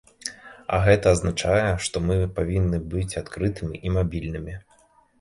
А гэта азначае, што мы павінны быць адкрытымі і мабільнымі.